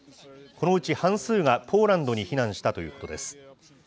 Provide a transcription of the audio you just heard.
このうち半数がポーランドに避難したということです。